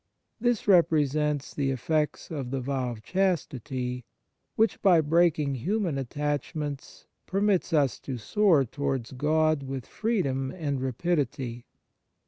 This repre sents the effects of the vow of chastity, which, by breaking human attachments, permits us to soar towards God with freedom and rapidity.